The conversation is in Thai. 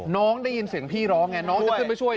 น้องได้ยินเสียงพี่ร้องไงน้องจะขึ้นไปช่วย